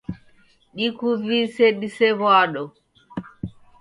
Dikuvise disew'ado.